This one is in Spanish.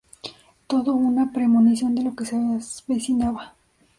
Todo una premonición de lo que se avecinaba.